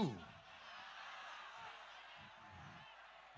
menurun dari kakek ke cucu